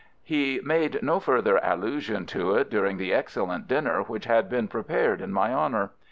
He made no further allusion to it during the excellent dinner which had been prepared in my honour.